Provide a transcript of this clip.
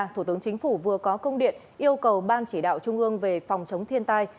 thủ tướng chính phủ vừa có công điện yêu cầu ban chỉ đạo trung ương về phòng chống thiên tai